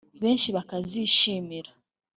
benshi bakazishimira